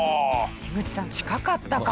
口さん近かったかも。